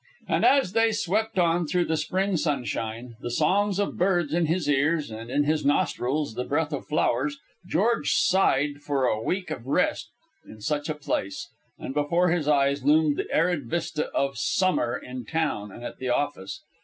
And as they swept on through the spring sunshine, the songs of birds in his ears, and in his nostrils the breath of flowers, George sighed for a week of rest in such a place, and before his eyes loomed the arid vista of summer in town and at the office.